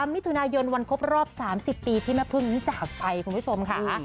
มิถุนายนวันครบรอบ๓๐ปีที่แม่พึ่งนี้จากไปคุณผู้ชมค่ะ